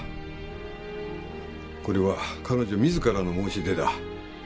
これは彼女自らの申し出だ。